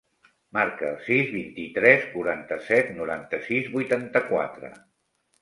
Marca el sis, vint-i-tres, quaranta-set, noranta-sis, vuitanta-quatre.